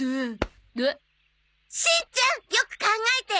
しんちゃんよく考えて！